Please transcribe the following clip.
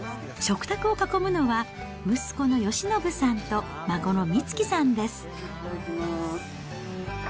食卓を囲むのは、息子の吉伸さんと孫の光希さんです。